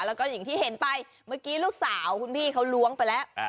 แล้วก็อย่างที่เห็นไปเมื่อกี้ลูกสาวคุณพี่เขาล้วงไปแล้ว